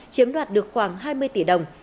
chiếm đoạt được khoảng hai mươi tỷ đồng